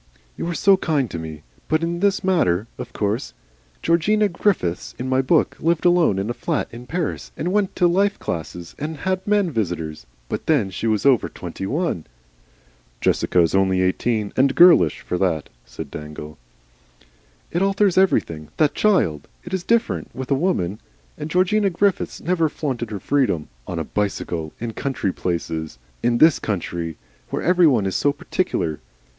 "You are so kind to me. But in this matter. Of course Georgina Griffiths in my book lived alone in a flat in Paris and went to life classes and had men visitors, but then she was over twenty one." "Jessica is only seventeen, and girlish for that," said Dangle. "It alters everything. That child! It is different with a woman. And Georgina Griffiths never flaunted her freedom on a bicycle, in country places. In this country. Where every one is so particular.